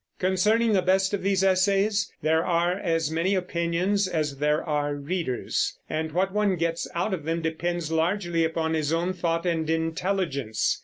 Concerning the best of these essays there are as many opinions as there are readers, and what one gets out of them depends largely upon his own thought and intelligence.